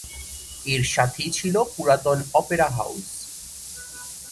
এর সাথেই ছিল পুরাতন অপেরা হাউজ।